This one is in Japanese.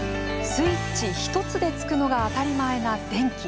スイッチ一つでつくのが当たり前な電気。